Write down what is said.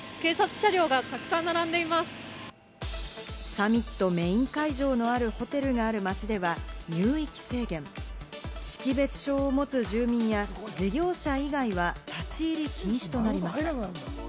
サミットメイン会場のホテルがある街では、入域制限。識別証を持つ住民や事業者以外は立ち入り禁止となります。